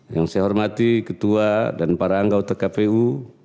yang saya hormati ketua dan para anggota kpu